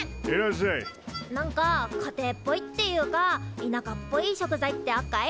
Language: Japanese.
何か家庭っぽいっていうかいなかっぽい食材ってあっかい？